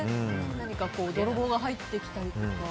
何か泥棒が入ってきたりとか。